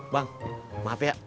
bang maaf ya